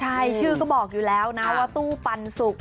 ใช่ชื่อก็บอกอยู่แล้วนะว่าตู้ปันสุก